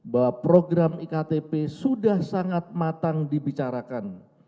bahwa program iktp sudah sangat matang dibicarakan